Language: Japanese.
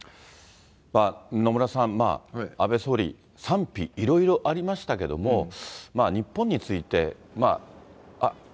野村さん、安倍総理、賛否、いろいろありましたけれども、日本について。